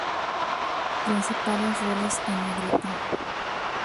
Principales Roles en negrita.